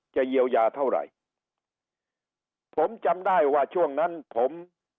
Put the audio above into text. จะเยียวยาเท่าไหร่ผมจำได้ว่าช่วงนั้นผม